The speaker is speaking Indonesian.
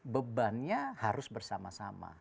bebannya harus bersama sama